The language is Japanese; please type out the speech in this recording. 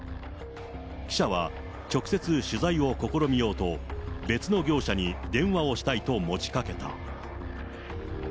記者は直接取材を試みようと、別の業者に電話をしたいと持ちかけた。